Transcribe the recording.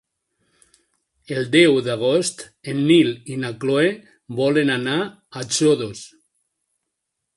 El deu d'agost en Nil i na Cloè volen anar a Xodos.